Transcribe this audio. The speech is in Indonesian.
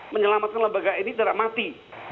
menyelamatkan lembaga ini tidak mati